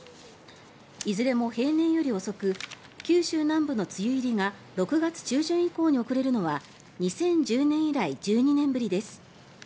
いずれも平年より遅く九州南部の梅雨入りが６月中旬以降に遅れるのは２０１０年以来１２年ぶりです。